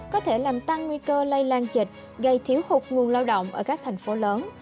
có thể làm tăng nguy cơ lây lan dịch gây thiếu hụt nguồn lao động ở các thành phố lớn